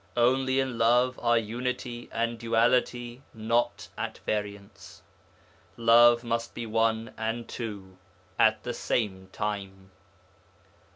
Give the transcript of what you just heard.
Only in love are unity and duality not at variance. Love must be one and two at the same time.